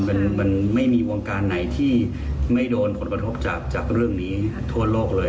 มันไม่มีวงการไหนที่ไม่โดนผลกระทบจากเรื่องนี้ทั่วโลกเลย